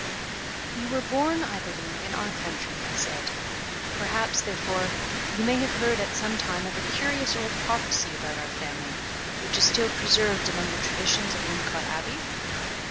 "You were born, I believe, in our county," he said; "perhaps, therefore, you may have heard at some time of a curious old prophecy about our family, which is still preserved among the traditions of Wincot Abbey?"